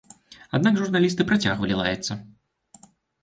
Аднак журналісты працягвалі лаяцца.